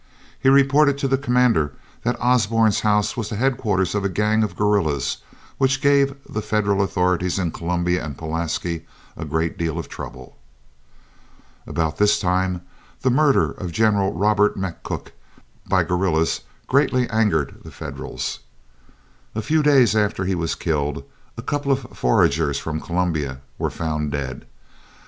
He reported to the commander that Osborne's house was the headquarters of a gang of guerrillas which gave the Federal authorities in Columbia and Pulaski a great deal of trouble. About this time the murder of General Robert McCook by guerrillas greatly angered the Federals. A few days after he was killed a couple of foragers from Columbia were found dead.